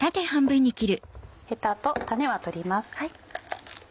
ヘタと種は取ります。